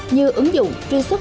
như ứng dụng truy xuất